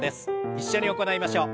一緒に行いましょう。